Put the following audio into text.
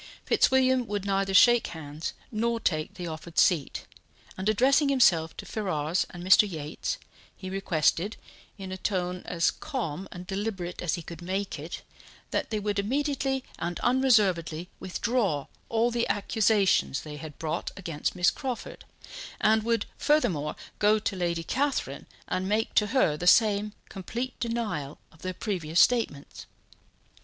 Fitzwilliam would neither shake hands nor take the offered seat, and addressing himself to Ferrars and Mr. Yates, he requested, in a tone as calm and deliberate as he could make it, that they would immediately and unreservedly withdraw all the accusations they had brought against Miss Crawford, and would furthermore go to Lady Catherine and make to her the same complete denial of their previous statements.